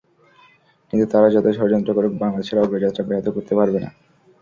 কিন্তু তারা যতই ষড়যন্ত্র করুক, বাংলাদেশের অগ্রযাত্রা ব্যাহত করতে পারবে না।